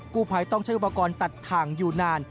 กู้ภัยต้องใช้อุปกรณ์ตัดทางอยู่นาน